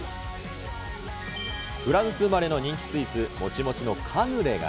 フランス生まれの人気スイーツ、もちもちのカヌレが。